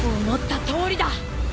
思ったとおりだ！